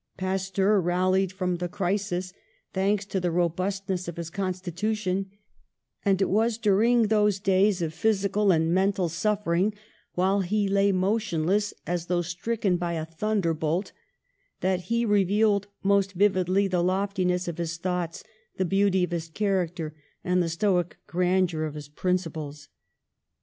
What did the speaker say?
Pasteur rallied from the crisis, thanks to the robustness of his constitution; and it was during those days of physical and mental suffering, while he lay mo tionless, as though stricken by a thunderbolt, that he revealed most vividly the loftiness of his thoughts, the beauty of his character and the stoic grandeur of his principles.